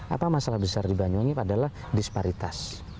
apa masalah besar di banyuwangi adalah disparitas